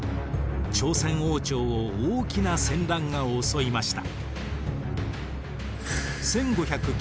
朝鮮王朝を大きな戦乱が襲いました。